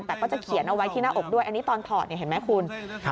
แต่ก็จะเขียนเอาไว้ที่หน้าอกด้วยอันนี้ตอนถอดเห็นไหมคุณ